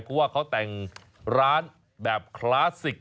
เพราะว่าเขาแต่งร้านแบบคลาสสิก